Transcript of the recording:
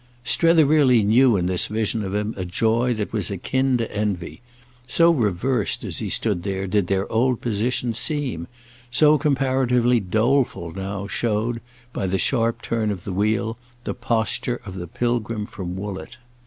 Strether really knew in this vision of him a joy that was akin to envy; so reversed as he stood there did their old positions seem; so comparatively doleful now showed, by the sharp turn of the wheel, the posture of the pilgrim from Woollett.